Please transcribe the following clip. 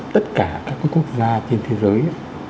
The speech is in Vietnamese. tất cả các quốc gia trên thế giới